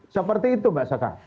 seperti itu mbak saka